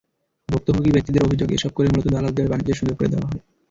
ভুক্তভোগী ব্যক্তিদের অভিযোগ, এসব করে মূলত দালালদের বাণিজ্যের সুযোগ করে দেওয়া হয়।